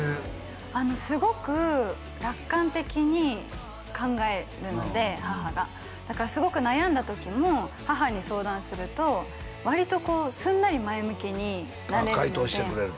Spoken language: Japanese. すごく楽観的に考えるので母がだからすごく悩んだ時も母に相談すると割とこうすんなり前向きにああ回答してくれる？